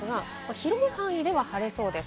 広い範囲では晴れそうです。